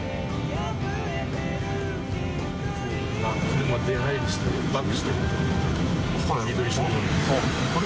車出入りしてるバックしてるとこ。